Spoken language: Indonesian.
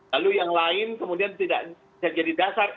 lalu yang lain kemudian tidak bisa jadi dasar